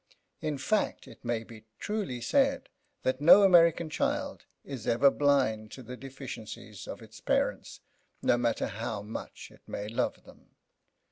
In fact, it may be truly said that no American child is ever blind to the deficiencies of its parents, no matter how much it may love them.